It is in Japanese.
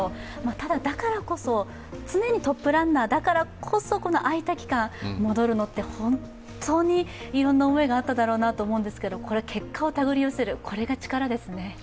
ただ、だからこそ常にトップランナーだからこそ、空いた期間戻るって本当にいろいろな思いがあっただろうなと思うんですけど、これ、結果をたぐり寄せるこれが力ですね。